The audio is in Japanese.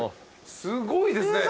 すごいですね。